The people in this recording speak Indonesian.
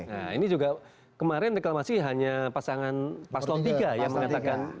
nah ini juga kemarin reklamasi hanya pasangan paslon tiga yang mengatakan